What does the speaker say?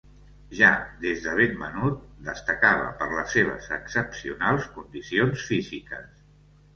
Ja des de ben menut destacava per les seves excepcionals condicions físiques.